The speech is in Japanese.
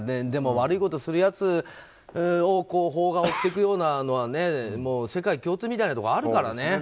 でも、悪いことするやつを法が追っていくようなのは世界共通みたいなところがあるからね。